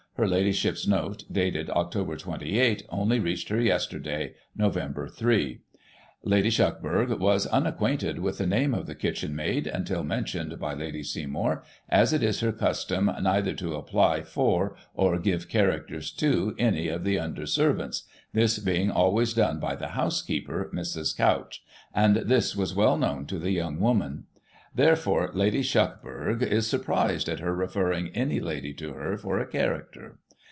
Her Ladyship's note, dated Oct. 28, only reached her yesterday, Nov. 3. Lady Shuckburgh was un acquainted with the name of the kitchenmaid, imtil mentioned by Lady Seymour, as it is her custom neither to apply for, or give characters to any of the imder servants, this being always done by the housekeeper, Mrs. Couch, and this was well known to the young woman ; therefore Lady Shuck Digiti ized by Google 1 839] THE QUEEN OF BEAUTY. 109 burgh is surprised at her referring any lady to her for a charac ter.